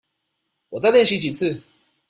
我再練習幾次